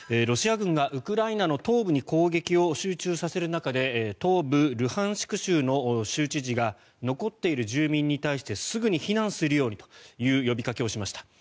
ロシア軍がウクライナの東部に攻撃を集中させる中で東部ルハンシク州の州知事が残っている住民に対してすぐに避難するようにという呼びかけをしました。